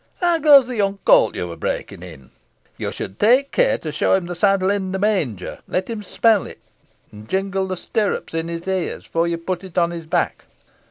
How goes on the young colt you were breaking in? You should take care to show him the saddle in the manger, let him smell it, and jingle the stirrups in his ears, before you put it on his back.